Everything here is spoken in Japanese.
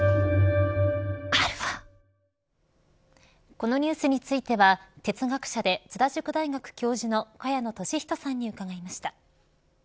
このニュースについては哲学者で津田塾大学教授の萱野稔人さんに伺いました。